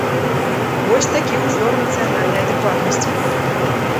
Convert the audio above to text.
Вось такі ўзор нацыянальнай адэкватнасці!